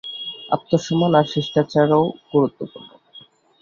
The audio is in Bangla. আত্মসম্মান আর শিষ্টাচার ও গুরুত্বপূর্ণ।